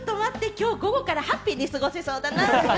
きょう午後からハッピーに過ごせそうだな！